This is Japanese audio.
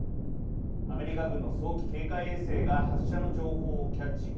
アメリカ軍の早期警戒衛星が発射の情報をキャッチ。